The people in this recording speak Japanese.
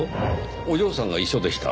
お嬢さんが一緒でした。